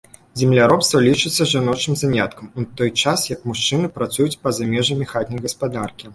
Земляробства лічыцца жаночым заняткам, у той час як мужчыны працуюць па-за межамі хатняй гаспадаркі.